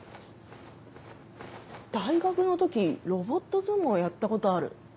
大学の時ロボット相撲やったことある。